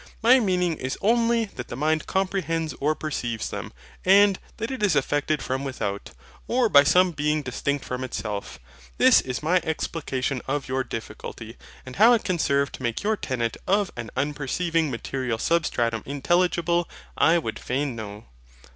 My meaning is only that the mind comprehends or perceives them; and that it is affected from without, or by some being distinct from itself. This is my explication of your difficulty; and how it can serve to make your tenet of an unperceiving material SUBSTRATUM intelligible, I would fain know.